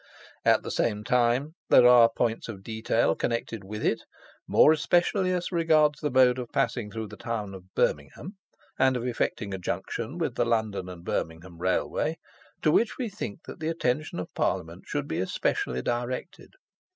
At the same time, there are points of detail connected with it, more especially as regards the mode of passing through the town of Birmingham, and of effecting a junction with the London and Birmingham Railway, to which we think that the attention of Parliament should be especially directed.